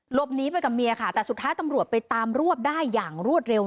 หลบหนีไปกับเมียค่ะแต่สุดท้ายตำรวจไปตามรวบได้อย่างรวดเร็ว